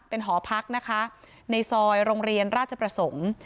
เป็นหอพักนะคะในซอยโรงเรียนราชประสงค์